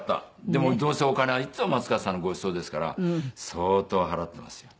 でもどうせお金はいつも松方さんのごちそうですから相当払っていますよ。